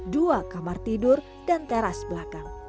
dua kamar tidur dan teras belakang